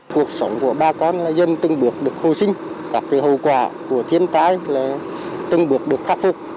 cuộc sống của bà con dân từng bước được hồi sinh các hậu quả của thiên tai từng bước được khắc phục